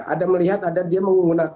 ada melihat ada dia menggunakan